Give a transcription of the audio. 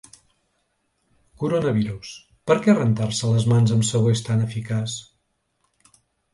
Coronavirus: per què rentar-se les mans amb sabó és tan eficaç?